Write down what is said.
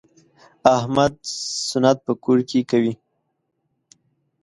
احمد سنت په کور کې کوي.